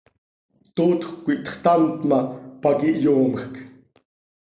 Tootjöc quih txtamt ma, pac ihyoomjc.